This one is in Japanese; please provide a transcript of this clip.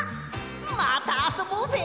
またあそぼうぜ！